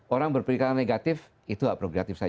orang berpikiran negatif itu yang progresif saja